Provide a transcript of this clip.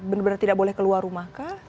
benar benar tidak boleh keluar rumah kah